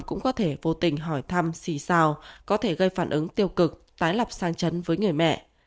cũng có thể vô tình hỏi thăm xì sao có thể gây phản ứng tiêu cực tái lập sang chấn với người mẹ